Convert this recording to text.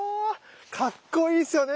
かっこいいっすよね